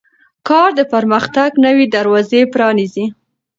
کار د پرمختګ نوې دروازې پرانیزي